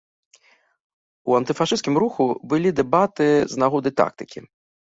У антыфашысцкім руху былі дэбаты з нагоды тактыкі.